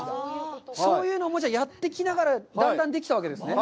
そういうのをやっていきながら、だんだん、できたわけですね？